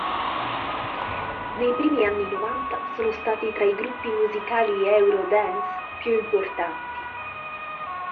Nei primi anni novanta sono stati tra i gruppi musicali eurodance più importanti.